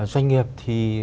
doanh nghiệp thì